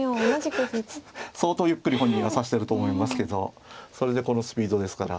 相当ゆっくり本人は指してると思いますけどそれでこのスピードですから。